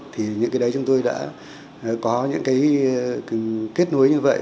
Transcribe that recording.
thì những cái đấy chúng tôi đã có những cái kết nối như vậy